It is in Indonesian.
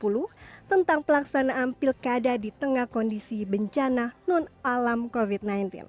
pemilihan umum pkpu no tiga belas tahun dua ribu dua puluh tentang pelaksanaan pilkada di tengah kondisi bencana non alam covid sembilan belas